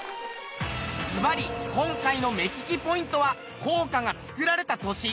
ずばり今回の目利きポイントは硬貨が作られた年。